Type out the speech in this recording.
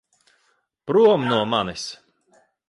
Prom no manis!